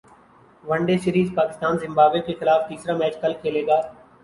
one day سیریزپاکستان Zimbabwe کیخلاف تیسرا match کل کھیلے گا